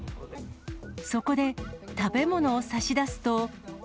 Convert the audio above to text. そこで、食べ物を差し出すと。